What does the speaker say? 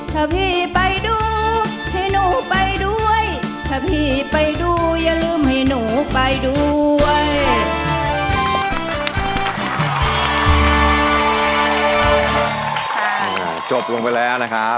ถ้าพี่ไปดูให้หนูไปด้วยถ้าพี่ไปดูอย่าลืมให้หนูไปด้วย